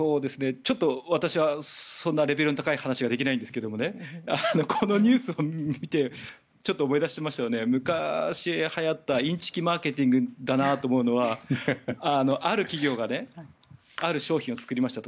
ちょっと私はそんなにレベルの高い話はできないんですがこのニュースを見てちょっと思い出したのは昔、はやったインチキマーケティングだなと思うのはある企業がある商品を作りましたと。